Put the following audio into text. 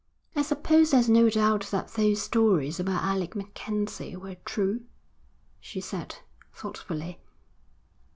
'I suppose there's no doubt that those stories about Alec MacKenzie were true?' she said, thoughtfully.